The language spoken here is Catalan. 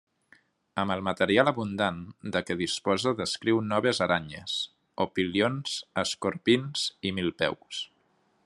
Amb el material abundant de què disposa descriu noves aranyes, opilions, escorpins i milpeus.